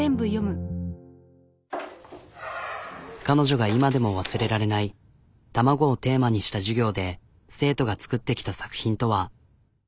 彼女が今でも忘れられない「卵」をテーマにした授業で生徒が作ってきた作品とは。